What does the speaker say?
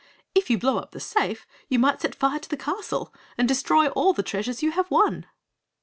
"If you blow up the safe you might set fire to the castle and destroy all the treasures you have won."